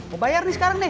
mau bayar nih sekarang nih